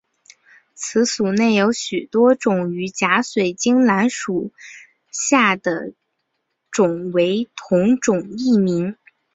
此属内的许多种与假水晶兰属下的种为同种异名。